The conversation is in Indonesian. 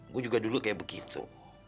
gue juga dulu kayak begitu